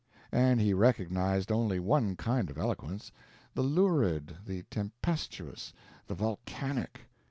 And he recognized only one kind of eloquence the lurid, the tempestuous, the volcanic.